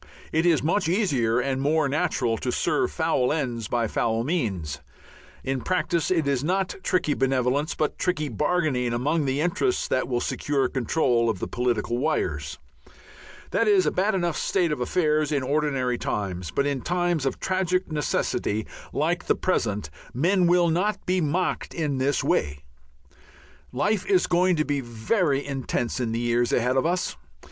It is much easier and more natural to serve foul ends by foul means. In practice it is not tricky benevolence but tricky bargaining among the interests that will secure control of the political wires. That is a bad enough state of affairs in ordinary times, but in times of tragic necessity like the present men will not be mocked in this way. Life is going to be very intense in the years ahead of us.